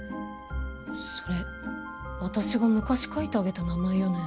それ私が昔書いてあげた名前よね？